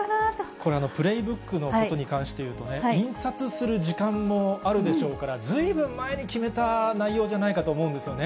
これ、プレイブックのことに関していうと、印刷する時間もあるでしょうから、ずいぶん前に決めた内容じゃないかと思うんですよね。